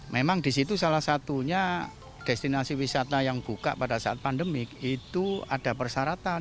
memang di situ salah satunya destinasi wisata yang buka pada saat pandemik itu ada persyaratan